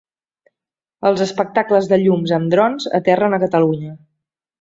Els espectacles de llums amb drons aterren a Catalunya.